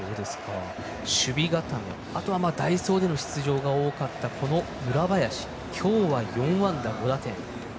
守備固め代走での出場が多かった村林、今日は４安打５打点。